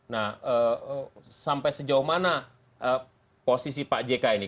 nah sampai sejauh mana posisi pak jk ini